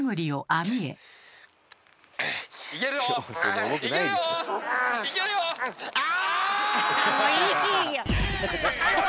ああ！